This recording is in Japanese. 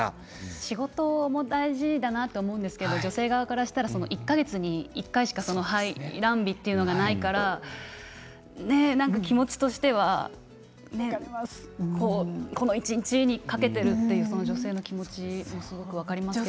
仕事も大事だなと思うんですが女性側からしたら１か月に１回しか排卵日がないから気持ちとしてはねこの一日に懸けているという女性の気持ちもすごく分かりますね。